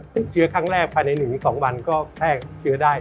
ติดเชื้อครั้งแรกภายในหนึ่งสองวันก็แทบเชื้อได้